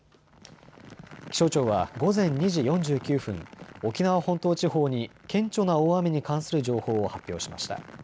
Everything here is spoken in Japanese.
気象庁は午前２時４９分、沖縄本島地方に顕著な大雨に関する情報を発表しました。